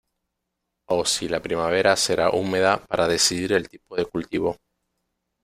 O si la primavera será húmeda para decidir el tipo de cultivo.